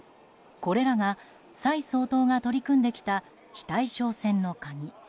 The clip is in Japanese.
これらが蔡総統が取り組んできた非対称戦の鍵。